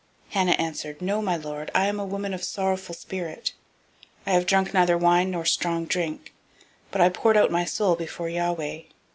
001:015 Hannah answered, No, my lord, I am a woman of a sorrowful spirit: I have drunk neither wine nor strong drink, but I poured out my soul before Yahweh.